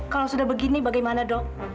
kalau sudah begini bagaimana dok